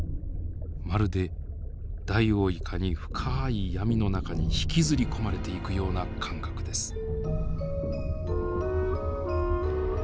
まるでダイオウイカに深い闇の中に引きずり込まれていくような感覚です。